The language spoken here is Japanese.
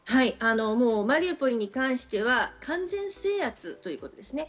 マリウポリに関しては完全制圧ということです。